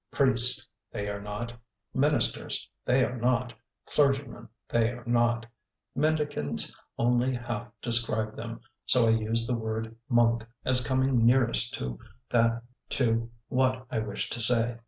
Priests they are not, ministers they are not, clergymen they are not; mendicants only half describe them, so I use the word monk as coming nearest to what I wish to say.